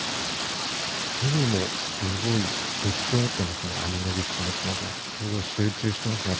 手にもすごい、グッズを持ってますね、アニメグッズ持ってますね。